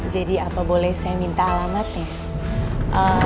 jadi apa boleh saya minta alamatnya